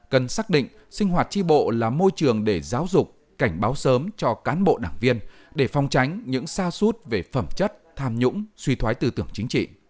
cần xác định sinh hoạt tri bộ là môi trường để giáo dục cảnh báo sớm cho cán bộ đảng viên để phong tránh những xa suốt về phẩm chất tham nhũng suy thoái tư tưởng chính trị